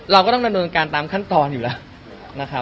เราก็ต้องระนวณการตามขั้นตอนอยู่แล้วนะครับนะครับ